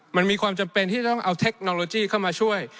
มันมีความจำเป็นที่จะต้องเอาเทคโนโลยีเข้ามาช่วย